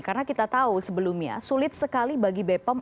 karena kita tahu sebelumnya sulit sekali bagi bepom